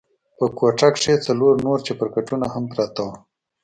په کوټه کښې څلور نور چپرکټونه هم پراته وو.